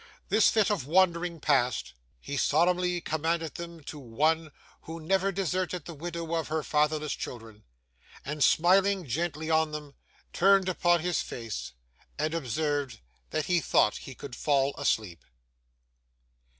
This fit of wandering past, he solemnly commended them to One who never deserted the widow or her fatherless children, and, smiling gently on them, turned upon his face, and observed, that he thought he could fall asleep.